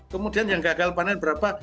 kemudian yang gagal panen berapa